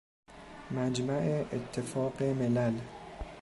مجمع اتفاق ملل